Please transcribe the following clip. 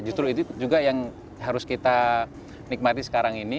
justru itu juga yang harus kita nikmati sekarang ini